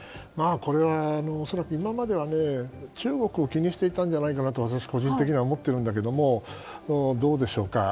これは恐らく、今までは中国を気にしていたのではと私個人的には思っているんですがどうでしょうか。